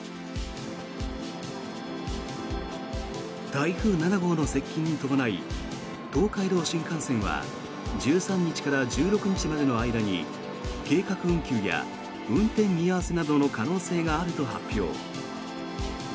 台風７号の接近に伴い東海道新幹線は１３日から１６日までの間に計画運休や運転見合わせなどの可能性があると発表。